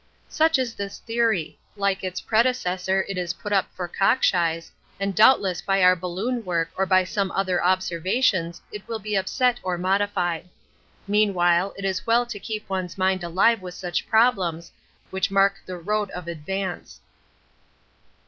Such is this theory like its predecessor it is put up for cockshies, and doubtless by our balloon work or by some other observations it will be upset or modified. Meanwhile it is well to keep one's mind alive with such problems, which mark the road of advance.